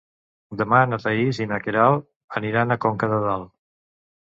Demà na Thaís i na Queralt aniran a Conca de Dalt.